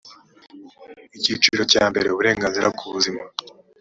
icyiciro cya mbere uburenganzira kubuzima